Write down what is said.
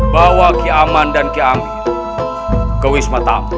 bawa keamanan dan keaminan ke wismatamu